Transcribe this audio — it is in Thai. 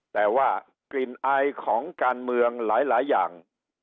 แต่ว่ากลิ่นอายของการเมืองหลายอย่าง